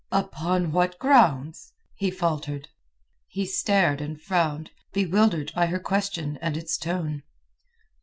"Upon what grounds?" he faltered. He stared and frowned, bewildered by her question and its tone.